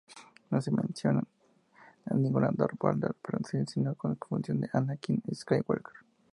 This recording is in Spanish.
No se menciona a Darth Vader, pero se insinúa una confusión en Anakin Skywalker.